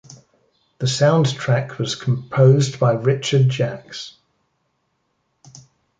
The soundtrack was composed by Richard Jacques.